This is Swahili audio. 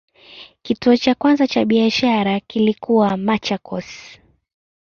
Kituo cha kwanza cha biashara kilikuwa Machakos.